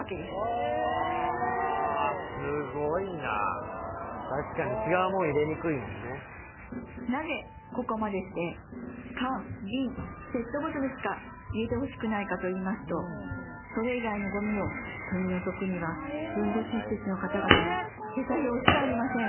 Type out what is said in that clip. へえっあったしかになぜここまでしてカンビンペットボトルしか入れてほしくないかといいますとそれ以外のゴミを取り除くには分別施設の方々の手作業しかありません